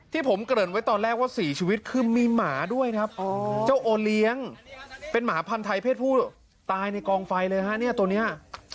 ที่ผมเกริ่นไว้ตอนแรกว่า๔ชีวิตคือมีหมาด้วยครับเจ้าโอเลี้ยงเป็นหมาพันธ์ไทยเพศผู้ตายในกองไฟเลยฮะเนี่ยตัวนี้